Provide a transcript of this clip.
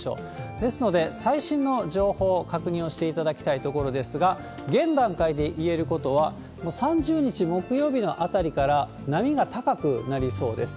ですので、最新の情報、確認をしていただきたいところですが、現段階で言えることは、３０日木曜日のあたりから、波が高くなりそうです。